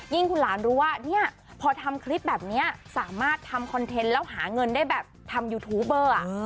คุณหลานรู้ว่าเนี่ยพอทำคลิปแบบนี้สามารถทำคอนเทนต์แล้วหาเงินได้แบบทำยูทูปเบอร์